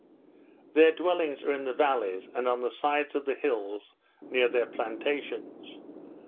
Their dwellings are in the vallies, and on the sides of the hills, near their plantations.